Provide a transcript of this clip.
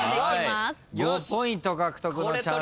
５ポイント獲得のチャンスです。